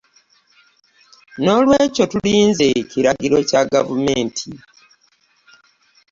N'olwekyo tulinze kiragiro kya gavumenti